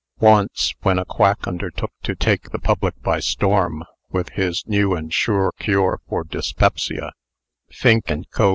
Once, when a quack undertook to take the public by storm with his "New and Sure Cure for Dyspepsia," Fink & Co.